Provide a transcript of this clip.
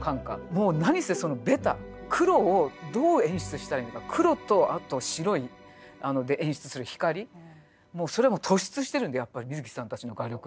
もう何せそのベタ黒をどう演出したらいいのか黒とあと白で演出する光もうそれはもう突出してるんでやっぱり水木さんたちの画力。